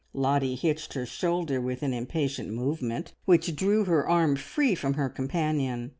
Lottie hitched her shoulder with an impatient movement which drew her arm free from her companion.